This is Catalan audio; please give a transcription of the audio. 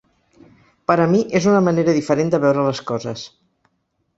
Per a mi, és una manera diferent de veure les coses.